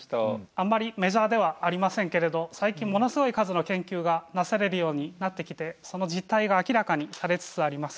あんまりメジャーではありませんけれど最近ものすごい数の研究がなされるようになってきてその実態が明らかにされつつあります。